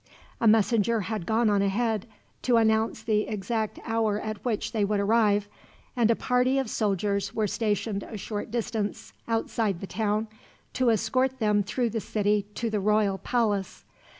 A messenger had gone on ahead, to announce the exact hour at which they would arrive; and a party of soldiers were stationed a short distance outside the town, to escort them through the city to the royal palace.